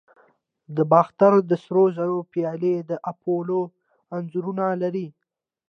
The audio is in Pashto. د باختر د سرو زرو پیالې د اپولو انځور لري